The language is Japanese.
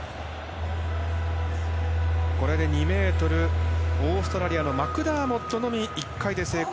これで２ｍオーストラリアのマクダーモットのみ１回で成功。